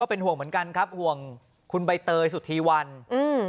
เป็นห่วงเหมือนกันครับห่วงคุณใบเตยสุธีวันอืม